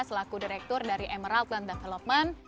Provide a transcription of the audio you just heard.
selaku direktur dari emerald land development